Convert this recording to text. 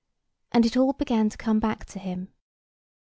And it all began to come back to him.